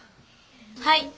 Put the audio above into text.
はい。